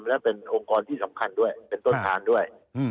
และเป็นองค์กรที่สำคัญด้วยเป็นต้นทานด้วย